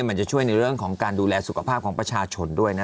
มันจะช่วยในเรื่องของการดูแลสุขภาพของประชาชนด้วยนะ